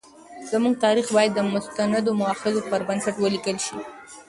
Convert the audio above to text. زموږ تاریخ باید د مستندو مأخذونو پر بنسټ ولیکل شي.